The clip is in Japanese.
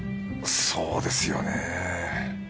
そうですよね。